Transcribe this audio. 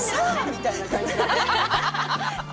みたいな感じでね。